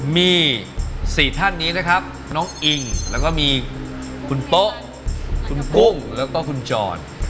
มี๔ท่านนี้นะครับน้องอิงแล้วก็มีคุณโป๊ะคุณกุ้งแล้วก็คุณจอด